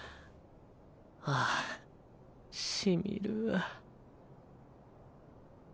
ああしみる。